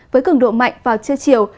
với cường độ mạnh vào trưa chiều